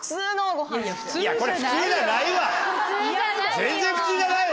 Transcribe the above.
全然普通じゃないわ。